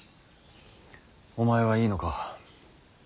お前はいいのか。